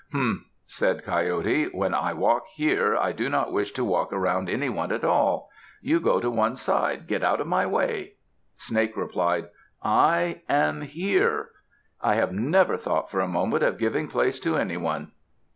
"Humph!" said Coyote. "When I walk here, I do not wish to walk around anyone at all. You go to one side. Get out of my way!" Snake replied, "I am here. I have never thought for a moment of giving place to anyone!"